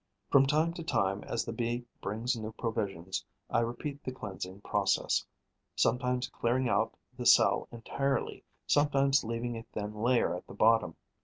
From time to time, as the Bee brings new provisions, I repeat the cleansing process, sometimes clearing out the cell entirely, sometimes leaving a thin layer at the bottom.